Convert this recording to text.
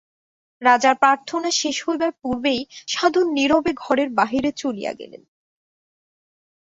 রাজার প্রার্থনা শেষ হইবার পূর্বেই সাধু নীরবে ঘরের বাহিরে চলিয়া গেলেন।